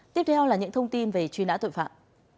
tiếp theo là những thông tin về truy nã tội phạm